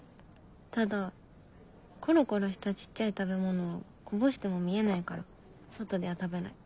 ただコロコロした小っちゃい食べ物はこぼしても見えないから外では食べない。